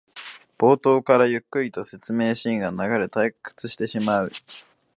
冒頭からゆっくりと説明シーンが流れ退屈してしまう